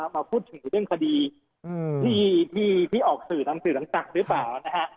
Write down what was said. มาพูดถึงเรื่องคดีที่ออกสื่อทางสื่อต่างหรือเปล่านะฮะ